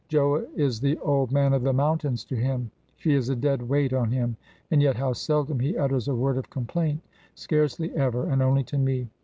"Joa is the Old Man of the Mountains to him; she is a dead weight on him. And yet how seldom he utters a word of complaint! scarcely ever, and only to me.